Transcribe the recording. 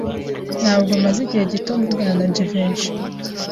Ntabwo maze igihe gito mvugana na Jivency.